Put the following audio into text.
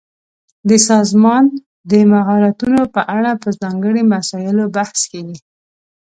د سازمان د مهارتونو په اړه په ځانګړي مسایلو بحث کیږي.